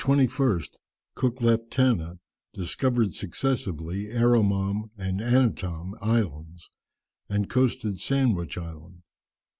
On the 21st Cook left Tanna, discovered successively, Erromam and Annatom Islands, and coasted Sandwich Island.